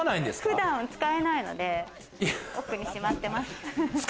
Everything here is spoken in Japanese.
普段、使わないので奥にしまってます。